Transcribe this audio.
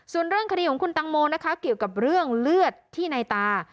ส่วนเรื่องคดีของคุณตังโมนะคะเกี่ยวกับเรื่องเลือดที่ในตา